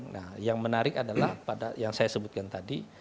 nah yang menarik adalah pada yang saya sebutkan tadi